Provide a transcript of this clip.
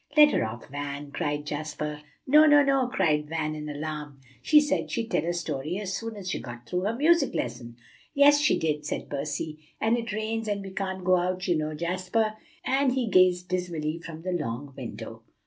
"Let her off, Van," cried Jasper. "No, no, no!" cried Van, in alarm; "she said she'd tell a story as soon as she got through her music lesson." "Yes, she did," said Percy; "and it rains, and we can't go out, you know, Jasper," and he gazed dismally from the long window.